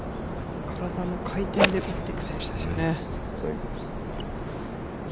体の回転で打っていく選手ですよね。